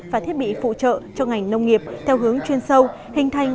và thiết bị phụ trợ cho ngành nông nghiệp theo hướng chuyên sâu hình thành